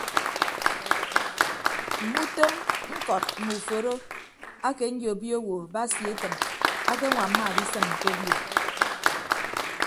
Mme utom ñkọt mme uforo ake nyobio owo basi etịm akeñwamma adisịn ke obio.